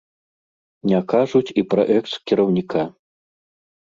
Не кажуць і пра экс-кіраўніка.